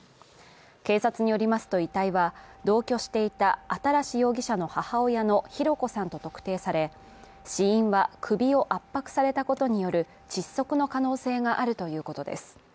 警察によりますと、遺体は同居していた新容疑者の母親の博子さんと特定され死因は首を圧迫されたことによる窒息の可能性があるということです。